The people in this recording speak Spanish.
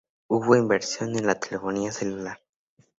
Hubo inversión en la telefonía celular.